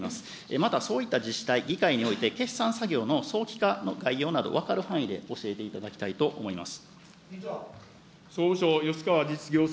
またそういった自治体、議会において、決算作業の早期化の概要など、分かる範囲で教えていただきたいと思います。